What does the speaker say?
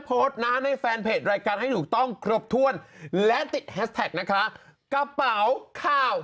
โพสต์นะในแฟนเพจรายการไปรู้ต้องครบท่วนและนะคะกระเป๋าขาว